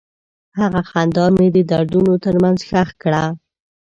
هغه خندا مې د دردونو تر منځ ښخ کړه.